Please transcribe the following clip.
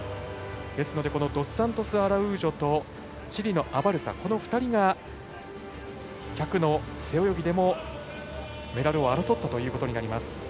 ですのでドスサントスアラウージョとチリのアバルサ、この２人が１００の背泳ぎでもメダルを争ったということになります。